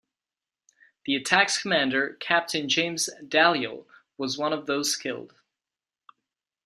The attack's commander, Captain James Dalyell, was one of those killed.